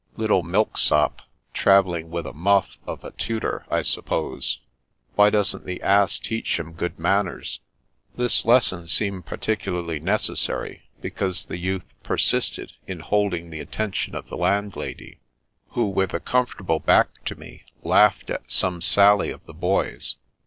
" Little milksop, travelling with a muff of a tutor, I suppose. Why doesn't the ass teach him good manners?" This lesson seemed particularly necessary, be cause the youth persisted in holding the attention of the landlady, who, with a comfortable back to me, laughed at some sally of the boy's.